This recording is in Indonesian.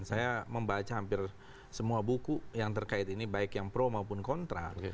saya membaca hampir semua buku yang terkait ini baik yang pro maupun kontra